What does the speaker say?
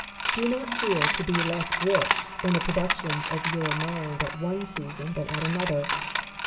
Do not fear to be less rich in the productions of your mind at one season than at another.